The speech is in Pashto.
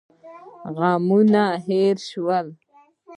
غمونه هېر شول.